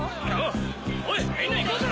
おいみんな行こうぜ！